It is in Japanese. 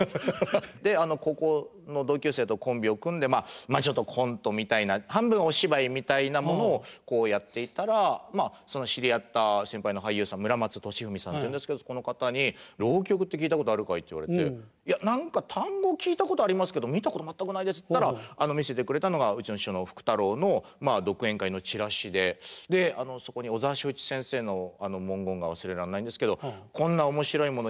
で高校の同級生とコンビを組んでまあちょっとコントみたいな半分お芝居みたいなものをやっていたら知り合った先輩の俳優さん村松利史さんっていうんですけどこの方に浪曲って聴いたことあるかいって言われていや何か単語聞いたことありますけど見たこと全くないですって言ったら見せてくれたのがうちの師匠の福太郎の独演会のチラシででそこに小沢昭一先生の文言が忘れられないんですけど「こんな面白いもの